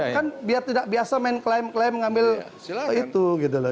kan biar tidak biasa main klaim klaim mengambil itu gitu loh